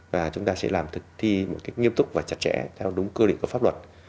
và chúng ta sẽ làm thực thi một cách nghiêm túc và chặt chẽ theo đúng quy định của pháp luật